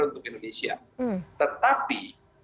untuk indonesia tetapi